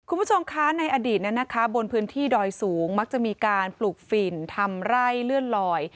คุณผู้ชมคะในอดีตนั้นนะคะบนพื้นที่ดอยสูงมักจะมีการปลูกฝิ่นทำไร่เลื่อนลอย